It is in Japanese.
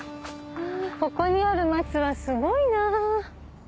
ここにある松はすごいな。